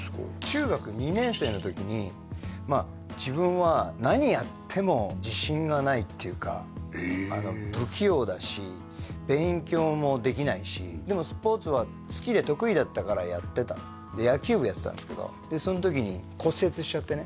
中学２年生の時に自分は何やっても自信がないっていうかええ不器用だし勉強もできないしでもスポーツは好きで得意だったからやってたので野球部やってたんですけどその時に骨折しちゃってね